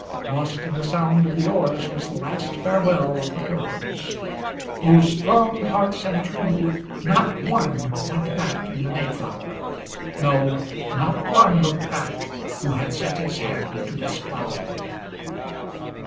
Lost in the sound of the oars was the last farewell of the Pilgrims. O strong hearts and true! not one went back in the Mayflower! No, not one looked back, who had set his hand to this ploughing!